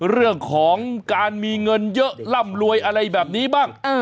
เรื่องของการมีเงินเยอะร่ำรวยอะไรแบบนี้บ้าง